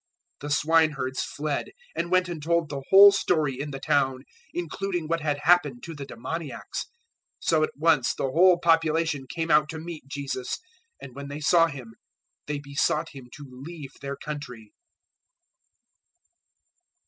008:033 The swineherds fled, and went and told the whole story in the town, including what had happened to the demoniacs. 008:034 So at once the whole population came out to meet Jesus; and when they saw Him, they besought Him to leave their country.